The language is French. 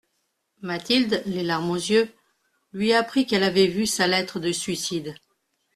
Mathilde, les larmes aux yeux, lui apprit qu'elle avait vu sa lettre de suicide.